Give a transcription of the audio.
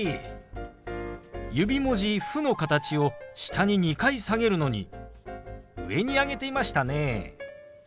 指文字「フ」の形を下に２回下げるのに上に上げていましたね。